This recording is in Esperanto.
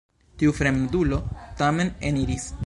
Tiu fremdulo tamen eniris.